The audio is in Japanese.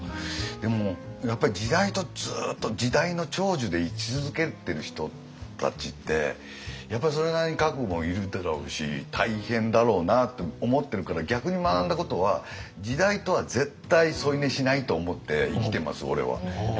でもやっぱり時代とずっと時代の寵児で居続けてる人たちってやっぱそれなりに覚悟いるだろうし大変だろうなって思ってるから逆に学んだことは時代とは絶対添い寝しないと思って生きてます俺は。